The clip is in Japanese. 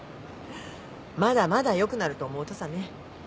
まだまだよくなると思うとさね。